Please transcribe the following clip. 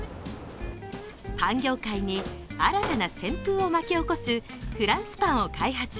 パン業界に新たな旋風を巻き起こすフランスパンを開発。